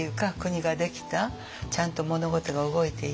ちゃんと物事が動いていった。